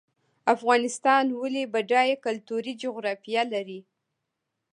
افغانستان ولې بډایه کلتوري جغرافیه لري؟